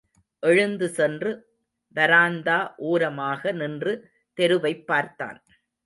எழுந்து சென்று, வராந்தா ஓரமாக நின்று தெருவைப் பார்த்தான்.